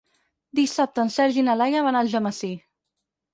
Dissabte en Sergi i na Laia van a Algemesí.